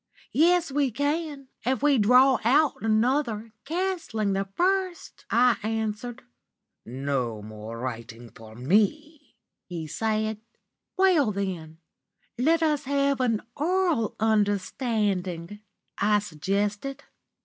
"Yes we can, if we draw out another, cancelling the first,' I answered. "'No more writing for me,' he said. "'Well, then, let us have an oral understanding,' I suggested.